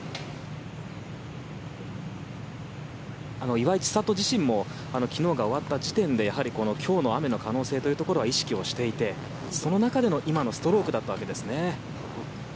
岩井千怜自身も昨日が終わった時点でやはり今日の雨の可能性というところは意識していてその中での今のストロークだったわけですね。